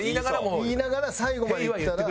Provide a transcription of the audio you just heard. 言いながら最後までいったら。